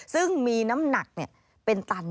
ซึ่งมีน้ำหนักเป็นตัน